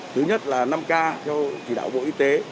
thứ nhất là năm k theo chỉ đạo bộ y tế